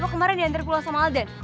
oh kemarin diantar pulang sama alden